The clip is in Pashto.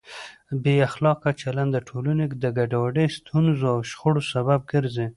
بې اخلاقه چلند د ټولنې د ګډوډۍ، ستونزو او شخړو سبب ګرځي.